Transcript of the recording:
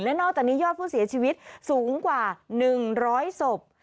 และนอกจากนี้ยอดผู้เสียชีวิตสูงกว่า๑๐๐ศพ